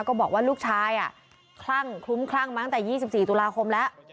บอกว่าลูกชายคลั่งคลุ้มคลั่งมาตั้งแต่๒๔ตุลาคมแล้ว